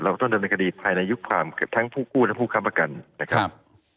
ต้องดำเนินคดีภายในยุคความทั้งผู้กู้และผู้ค้ำประกันนะครับ